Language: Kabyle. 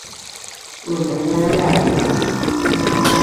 Ur leḥḥu ara εeryan.